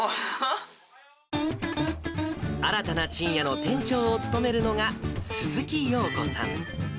新たなちんやの店長を務めるのが、鈴木陽子さん。